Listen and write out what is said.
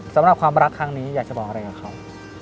สำหรับความรักครั้งนี้อยากจะบอกอะไรกับเขา